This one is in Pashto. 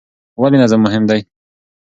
ولې نظم مهم دی؟